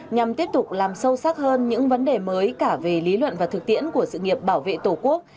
nhằm tiếp tục làm sâu sắc hơn những vấn đề mới cả về lý luận và thực tiễn của sự nghiệp bảo vệ tổ quốc